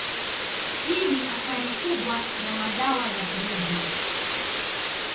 Hii ni athari kubwa ya madawa ya kulevya.